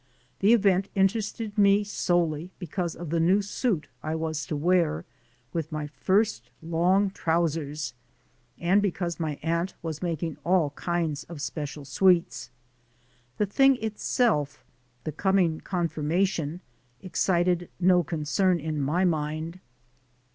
The event interested me solely because of the new suit I was to wear, with my first long trousers, and because my aunt was making all kinds of special sweets. The thing it self, the coming confirmation, excited no concern in my mind.